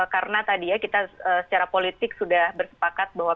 karena tadi ya kita secara politik sudah bersepakat bahwa